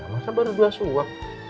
masa baru dua suap